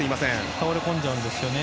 倒れこんじゃうんですよね